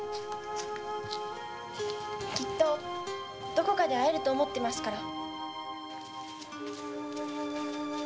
きっとどこかで会えると思ってますから。